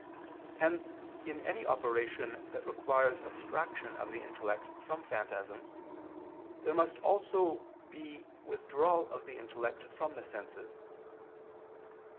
Hence in any operation that requires abstraction of the intellect from phantasms, there must be also withdrawal of the intellect from the senses.